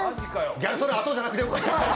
ギャル曽根、あとじゃなくてよかった。